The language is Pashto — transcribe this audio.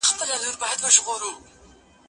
کېدای سي لیکل ستونزي ولري؟!